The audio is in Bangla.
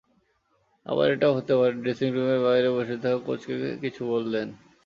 আবার এটাও হতে পারে, ড্রেসিংরুমের বাইরে বসে থাকা কোচকে কিছু বললেন।